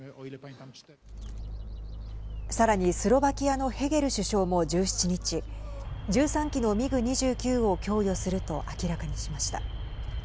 さらにスロバキアのヘゲル首相も１７日１３機のミグ２９を供与すると明らかにしました。